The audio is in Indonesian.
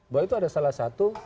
bahwa itu ada salah satu